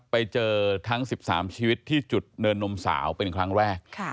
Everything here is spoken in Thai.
ไปเจอทั้ง๑๓ชีวิตที่จุดเนินนมสาวเป็นครั้งแรก